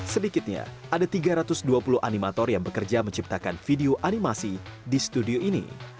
sedikitnya ada tiga ratus dua puluh animator yang bekerja menciptakan video animasi di studio ini